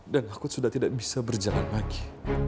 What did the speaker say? aku sudah tidak bisa berjalan lagi